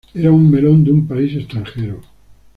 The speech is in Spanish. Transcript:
Era un melón de un país extranjero.